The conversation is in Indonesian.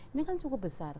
ini kan cukup besar